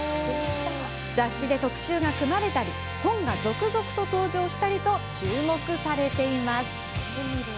雑誌で特集が組まれたり本が続々と登場したりと注目されています。